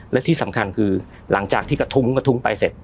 แล้วที่สำคัญคือหลังจากที่กระทุ้งไปเสร็จ